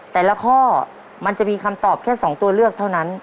แต่ละข้อมันจะมีคำตอบแค่๒ตัวเลือกเท่านั้น